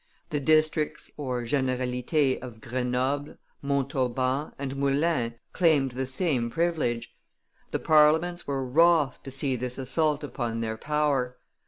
The districts (generalites) of Grenoble, Montauban, and Moulins claimed the same privilege. The parliaments were wroth to see this assault upon their power.